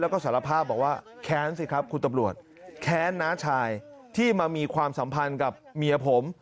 แล้วก็สารภาพบอกว่าแค้นสิครับคุณตำรวจแค้นน้าชายที่มามีความสัมพันธ์กับเมียผม